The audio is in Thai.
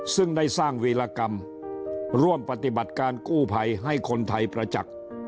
ซึ่งได้สร้างวีรกรรมร่วมปฏิบัติการกู้ภัยให้คนไทยประจักษ์